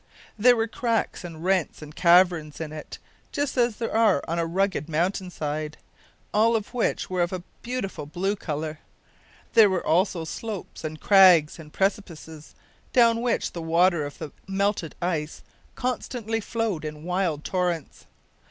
There were cracks and rents and caverns in it, just as there are on a rugged mountain side, all of which were of a beautiful blue colour. There were also slopes and crags and precipices, down which the water of the melted ice constantly flowed in wild torrents.